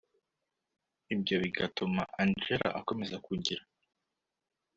ibyo bigatuma angella akomeza kugira